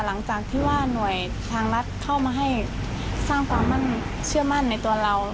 หลังจากที่ว่าหน่วยทางรัฐเข้ามาให้สร้างความเชื่อมั่นเชื่อมั่นในตัวเรา